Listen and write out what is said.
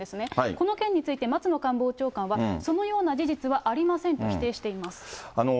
この件について松野官房長官は、そのような事実はありませんと否定しています。